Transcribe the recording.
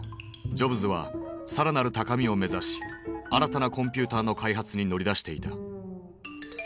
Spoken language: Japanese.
ジョブズはさらなる高みを目指し新たなコンピューターの開発に乗り出していた。